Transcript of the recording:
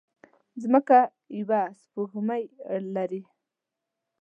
ځمکه يوه سپوږمۍ لري